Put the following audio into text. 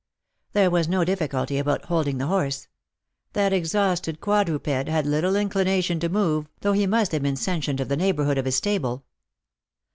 There was no difficulty about holding the horse. That exhausted quadruped had little inclination to move, though he must have been sentient of the neighbourhood of his stable.